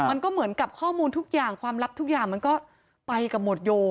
มันก็เหมือนกับข้อมูลทุกอย่างความลับทุกอย่างมันก็ไปกับหมวดโย